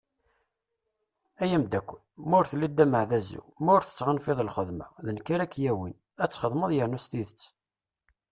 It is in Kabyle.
Ay amddakel, ma ur telliḍ d ameɛdazu, ma ur tettɣanfiḍ lxedma, d nekk ara ak-yawin , ad txedmeḍ yerna s tidet.